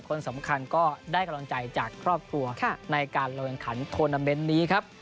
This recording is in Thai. คนสำคัญก็ได้กำลังใจจากครอบครัวในการลงแข่งขันโทรนาเมนต์นี้ครับ